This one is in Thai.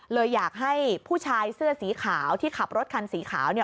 เลยอยากให้ผู้ชายเสื้อสีขาวที่ขับรถคันสีขาวเนี่ย